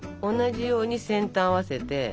同じように先端合わせて。